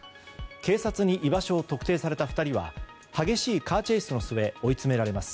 警察に居場所を特定された２人は激しいカーチェイスの末追い詰められます。